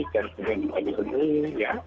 dan kemudian diambil ambil ya